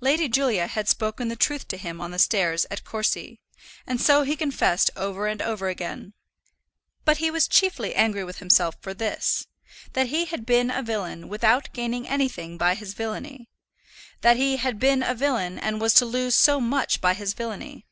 Lady Julia had spoken the truth to him on the stairs at Courcy, and so he confessed over and over again. But he was chiefly angry with himself for this, that he had been a villain without gaining anything by his villany; that he had been a villain, and was to lose so much by his villany.